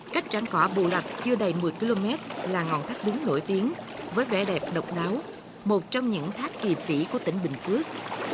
cách trảng cỏ bù lạch chưa đầy một mươi km là ngọn thác đứng nổi tiếng với vẻ đẹp độc đáo một trong những thác kỳ phỉ của tỉnh bình phước